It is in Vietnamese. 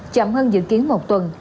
chậm hơn dự kiến một tuần